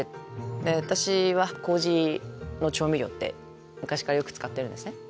私はこうじの調味料って昔からよく使ってるんですね。